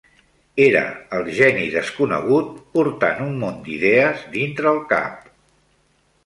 Era el geni desconegut portant un món d'idees dintre el cap